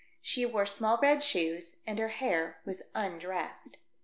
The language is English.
She wore small red shoes and her hair was undressed.